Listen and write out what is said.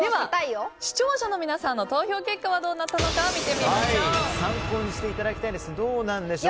視聴者の皆さんの投票結果はどうなったのか見てみましょう。